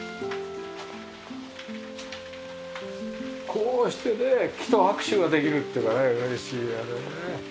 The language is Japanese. こうしてね木と握手ができるっていうのはね嬉しいよね。